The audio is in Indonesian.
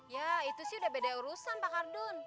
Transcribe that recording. ya itu sih udah beda urusan pak kardun